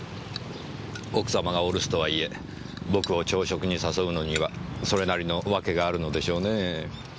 奥様がお留守とはいえ僕を朝食に誘うのにはそれなりの訳があるのでしょうねぇ。